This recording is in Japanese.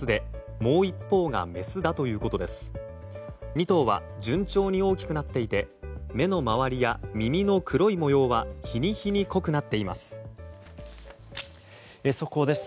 ２頭は順調に大きくなっていて目の周りや耳の黒い模様は日に日に濃くなっています。